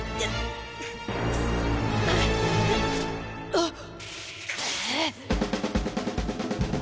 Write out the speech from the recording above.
あっ！